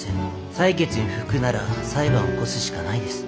裁決に不服なら裁判を起こすしかないです。